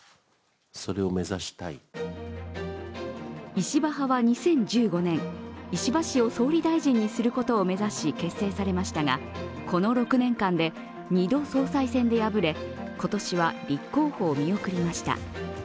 石破派は２０１５年、石破氏を総理大臣にすることを目指し結成されましたがこの６年間で２度、総裁選で敗れ、今年は立候補を見送りました。